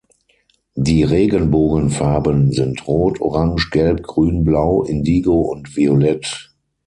Die Regenbogenfarben sind rot, orange, gelb, grün, blau, indigo und violett.